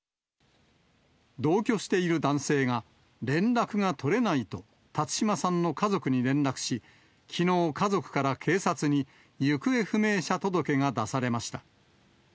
同居している男性が連絡が取れないと、辰島さんの家族に連絡し、きのう、家族から警察に行方不明者届が出されました。